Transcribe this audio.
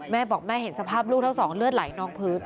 แม่บอกแม่เห็นสภาพลูกทั้งสองเลือดไหลนองพื้น